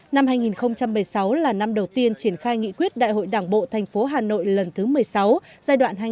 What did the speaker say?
năm hai nghìn một mươi sáu là năm đầu tiên triển khai nghị quyết đại hội đảng bộ tp hà nội lần thứ một mươi sáu giai đoạn hai nghìn một mươi sáu hai nghìn hai mươi